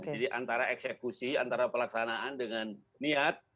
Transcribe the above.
jadi antara eksekusi antara pelaksanaan dengan niat